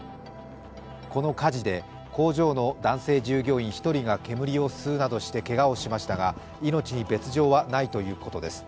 この火事で工場の男性従業員１人が煙を吸うなどしてけがをしましたが命に別状はないということです。